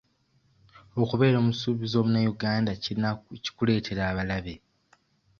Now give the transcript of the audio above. Okubeera omusuubuzi omunnayuganda kikuleetera abalabe.